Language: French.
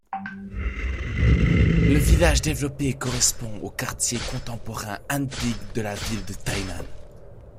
Le village développé correspond au quartier contemporain Anping, de la ville de Tainan.